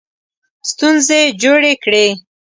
ستونزې جوړې کړې.